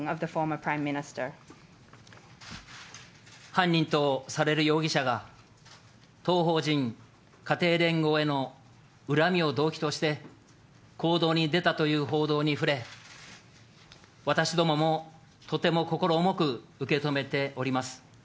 犯人とされる容疑者が、当法人、家庭連合への恨みを動機として、行動に出たという報道に触れ、私どももとても心重く受け止めております。